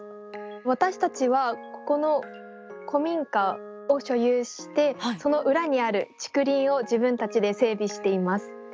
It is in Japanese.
私たちはここの古民家を所有してその裏にある竹林を自分たちで整備しています。